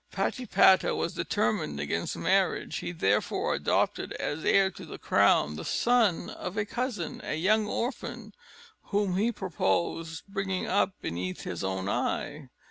Patipata was determined against marriage; he therefore adopted as heir to the crown the son of a cousin, a young orphan, whom he purposed bringing up beneath his own eye.